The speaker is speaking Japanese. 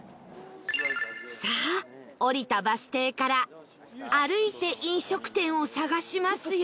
さあ降りたバス停から歩いて飲食店を探しますよ